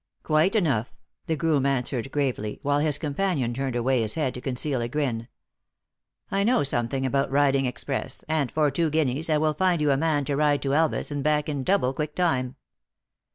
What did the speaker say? " Quite enough," the groom answered, gravely, while his companion turned away his head to conceal a grin. " I know something about riding express, and for two guineas I will find you a man to ride to Elvas and back in double quick time."